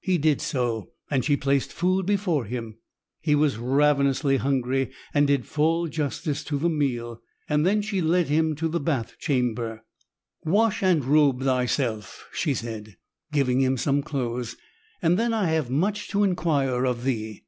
He did so and she placed food before him. He was ravenously hungry and did full justice to the meal. Then she led him to the bath chamber. "Wash and robe thyself," she said, giving him some clothes, "and then I have much to inquire of thee."